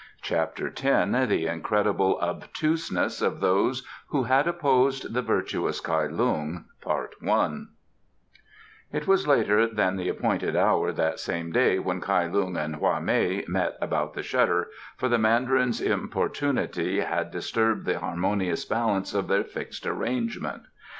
CHAPTER X The Incredible Obtuseness of Those who had Opposed the Virtuous Kai Lung It was later than the appointed hour that same day when Kai Lung and Hwa mei met about the shutter, for the Mandarin's importunity had disturbed the harmonious balance of their fixed arrangement.